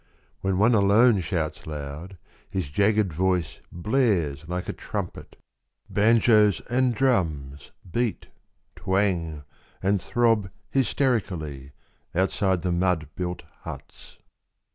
When one alone shouts loud, his jagged voice Blares like a trumpet. Banjos and drums Beat, twang, and throb hysterically Outside the mud built huts.